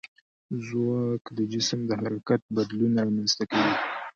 ځواک د جسم د حرکت بدلون رامنځته کوي.